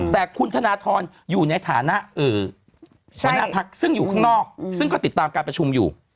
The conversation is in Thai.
แต่คุณธนทรอยู่ในฐานะหัวหน้าพักซึ่งอยู่ข้างนอกซึ่งก็ติดตามการประชุมอยู่